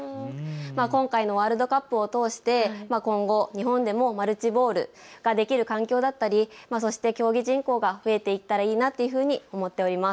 今回のワールドカップを通して今後、日本でもマルチボールができる環境だったり、そして競技人口が増えていったらいいなというふうに思っております。